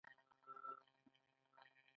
زلزله کورونه ویجاړوي.